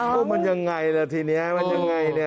ก็มันยังไงล่ะทีนี้มันยังไงเนี่ย